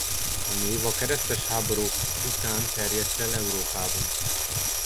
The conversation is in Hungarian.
A név a keresztes háborúk után terjedt el Európában.